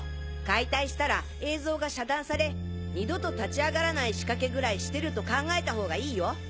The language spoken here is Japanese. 解体したら映像が遮断され二度と立ち上がらない仕掛けぐらいしてると考えたほうがいいよ。